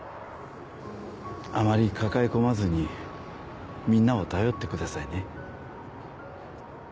あまり抱え込まずにみんなを頼ってくださいね。